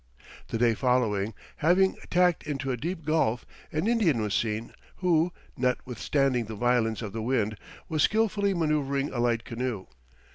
The day following, having tacked into a deep gulf, an Indian was seen who, notwithstanding the violence of the wind, was skilfully manoeuvring a light canoe.